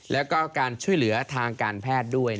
แล้วก็การช่วยเหลือทางการแพทย์ด้วย